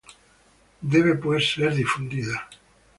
Debe pues ser difundida".